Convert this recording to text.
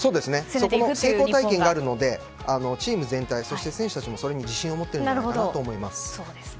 そこの成功体験があるのでチーム全体、そして選手たちもそれに自信を持っているんじゃないかと思います。